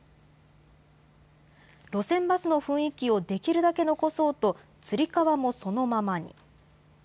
路線バスの雰囲気をできるだけ残そうと、つり革もそのままに。